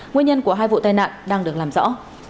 nguyên nhân của hai vụ tai nạn đang được làm rõ